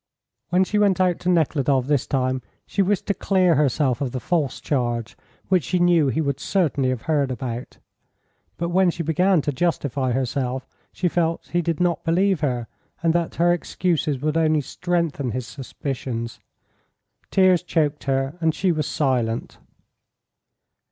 When she went out to Nekhludoff this time she wished to clear herself of the false charge which she knew he would certainly have heard about. But when she began to justify herself she felt he did not believe her, and that her excuses would only strengthen his suspicions; tears choked her, and she was silent.